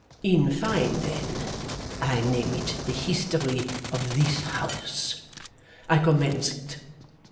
'In fine, then, I name it the history of this house. I commence it.